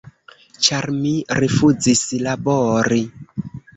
Ĉar mi rifuzis labori.